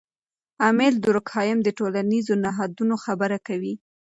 امیل دورکهایم د ټولنیزو نهادونو خبره کوي.